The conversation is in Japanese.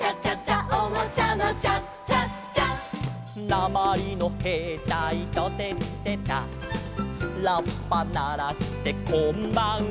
「なまりのへいたいトテチテタ」「ラッパならしてこんばんは」